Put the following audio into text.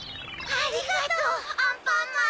ありがとうアンパンマン。